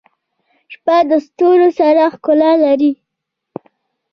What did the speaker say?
• شپه د ستورو سره ښکلا لري.